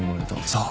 そう。